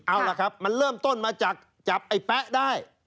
เอาล่ะครับมันเริ่มต้นมาจากจับไอ้แป๊ะได้